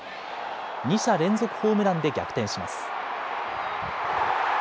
２者連続ホームランで逆転します。